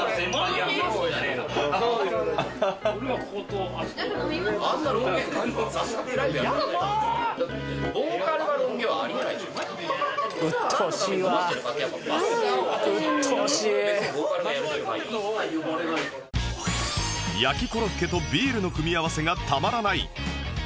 焼コロッケとビールの組み合わせがたまらない